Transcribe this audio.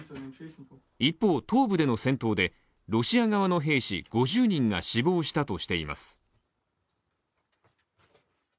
一方、東部での戦闘でロシア側の兵士５０人が死亡したとしています。